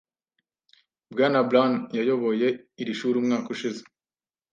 Bwana Brown yayoboye iri shuri umwaka ushize.